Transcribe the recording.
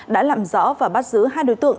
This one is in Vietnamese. đã làm rõ và bắt giữ hai đối tượng